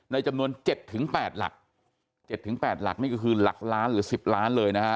จำนวน๗๘หลัก๗๘หลักนี่ก็คือหลักล้านหรือ๑๐ล้านเลยนะฮะ